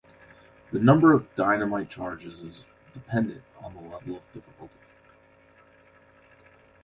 The number of dynamite charges is dependent on the level of difficulty.